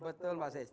betul mbak sej